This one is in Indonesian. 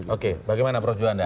oke bagaimana prof juwanda